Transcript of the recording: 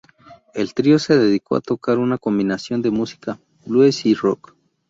El trío se dedicó a tocar una combinación de música blues y rock.